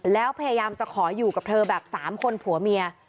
แล้วพยายามจะขออยู่กับเธอแบบ๓คนผัวเมีย